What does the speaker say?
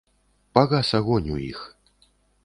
Пагас агонь у іх.